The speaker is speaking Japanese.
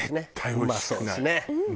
うまそうですね。